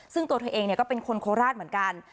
ซึ่งตัวเธอเองก็เป็นคนโคราชเหมือนกัน